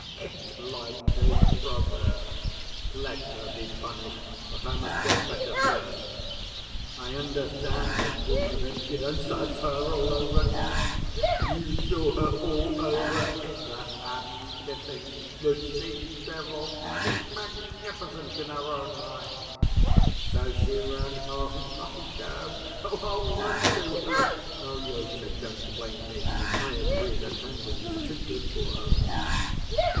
It's like this, brother, let her be punished, but I must get better first. I understand the queen of impudence. That's her all over! You saw her all over in that hand‐kissing, the she‐devil! She's magnificent in her own line! So she ran home? I'll go—ah—I'll run to her! Alyosha, don't blame me, I agree that hanging is too good for her."